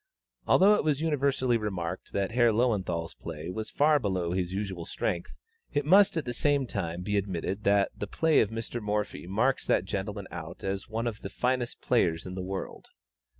Although it was universally remarked that Herr Löwenthal's play was far below his usual strength, it must at the same time be admitted that the play of Mr. Morphy marks that gentleman out as one of the finest players in the world.